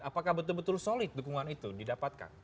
apakah betul betul solid dukungan itu didapatkan